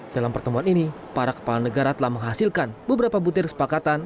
dalam pertemuan ini para kepala negara telah menghasilkan beberapa butir kesepakatan